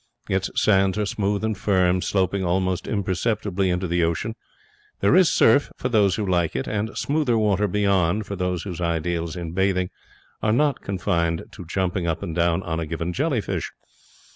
Its sands are smooth and firm, sloping almost imperceptibly into the ocean. There is surf for those who like it, and smoother water beyond for those whose ideals in bathing are not confined to jumping up and down on a given jelly fish.